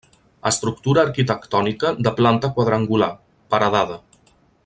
Estructura arquitectònica de planta quadrangular, paredada.